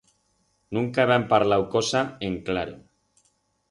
Nunca heban parlau cosa en claro.